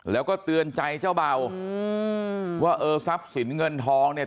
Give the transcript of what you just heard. แล้วก็เตือนใจเจ้าเบาอืมว่าเออทรัพย์สินเงินทองเนี่ย